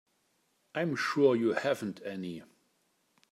I'm sure you haven't any.